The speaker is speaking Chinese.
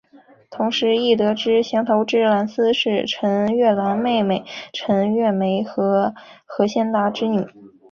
同时亦得知降头师蓝丝是陈月兰妹妹陈月梅和何先达之女。